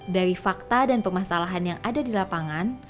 dari fakta dan permasalahan yang ada di lapangan